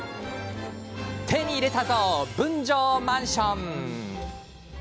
手に入れたぞ、分譲マンション。